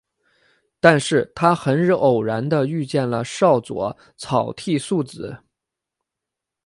但是他很偶然地遇见了少佐草剃素子。